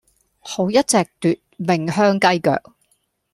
好一隻奪命香雞腳